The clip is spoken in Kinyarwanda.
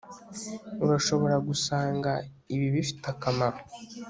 Urashobora gusanga ibi bifite akamaro